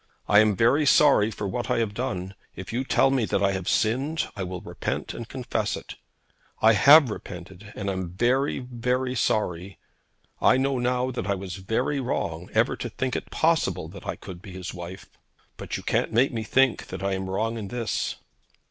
I am very sorry for what I have done. If you tell me that I have sinned, I will repent and confess it. I have repented, and am very, very sorry. I know now that I was very wrong ever to think it possible that I could be his wife. But you can't make me think that I am wrong in this.'